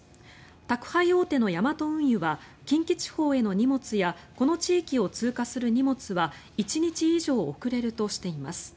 宅配大手のヤマト運輸は近畿地方への荷物やこの地域を通過する荷物は１日以上遅れるとしています。